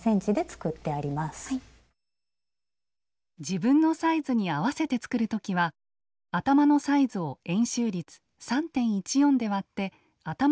自分のサイズに合わせて作る時は頭のサイズを円周率３．１４で割って頭の直径を出します。